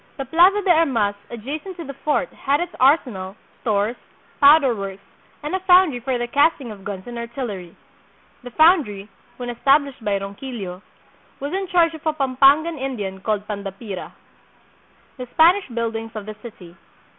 The Plaza de Armas adjacent to the fort had its ar senal, stores, powder works, and a foundry for the cast ing of guns and artillery. The foundry, when established by Ronquillo, was in charge of a Pampangan Indian called Pandapira. The Spanish Buildings of the City.